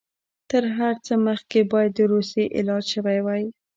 تر هر څه مخکې باید د روسیې علاج شوی وای.